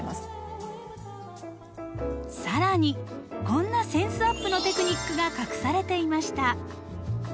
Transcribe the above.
更にこんなセンスアップのテクニックが隠されていました。